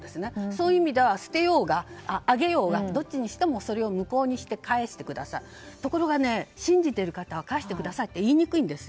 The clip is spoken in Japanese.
そういう意味では捨てようがあげようがどちらにしても無効にして返してください、ところが信じてる方は返してくださいと言いにくいんです。